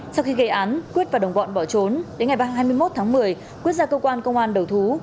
sau khi gây án quyết và đồng bọn bỏ trốn đến ngày ba mươi một tháng một mươi quyết ra cơ quan công an đầu thú